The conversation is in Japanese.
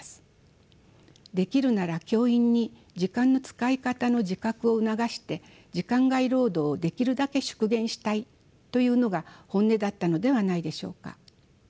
できるなら教員に時間の使い方の自覚を促して時間外労働をできるだけ縮減したいというのが本音だったのではないでしょうか。